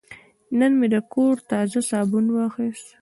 نن مې د کور تازه صابون واخیست.